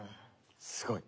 すごい。